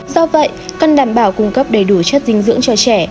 do vậy cần đảm bảo cung cấp đầy đủ chất dinh dưỡng cho trẻ